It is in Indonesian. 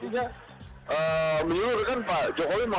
jadi artinya menyeluruh kan pak jokowi mengatakan